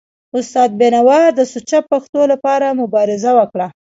استاد بینوا د سوچه پښتو لپاره مبارزه وکړه.